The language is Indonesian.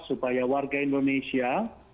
supaya warga indonesia